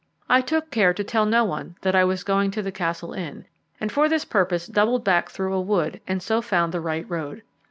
I took care to tell no one that I was going to the Castle Inn, and for this purpose doubled back through a wood, and so found the right road.